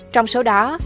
trong số đó